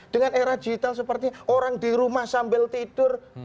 dengan era digital seperti orang di rumah sambil tidur